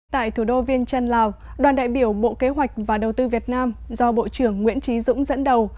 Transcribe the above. tại thủ đô viên trân lào đoàn đại biểu bộ kế hoạch và đầu tư việt nam do bộ trưởng nguyễn trí dũng dẫn đầu